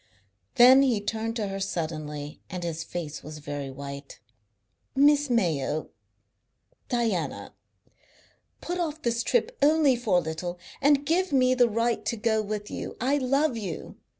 Then he turned to her suddenly, and his face was very white. "Miss Mayo Diana put off this trip only for a little, and give me the right to go with you. I love you.